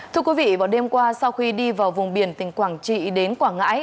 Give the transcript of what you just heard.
thưa quý vị vào đêm qua sau khi đi vào vùng biển tỉnh quảng trị đến quảng ngãi